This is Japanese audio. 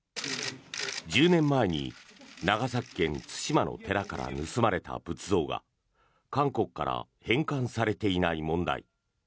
１０年前に長崎県・対馬の寺から盗まれた仏像が韓国から返還されていない問題。